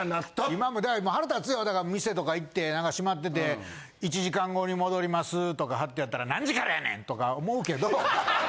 今も腹立つよだから店とか行って閉まってて「１時間後に戻ります」とか貼ってあったら。とか思うけど。